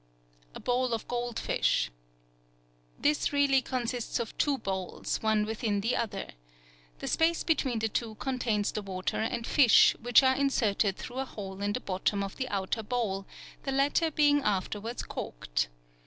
A bowl of gold fish.—This really consists of two bowls, one within the other. The space between the two contains the water and fish, which are inserted through a hole in the bottom of the outer bowl, the latter being afterwards corked.